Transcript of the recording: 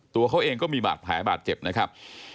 ตัวเขาเองก็มีบาดแผลบาดเจ็บนะครับ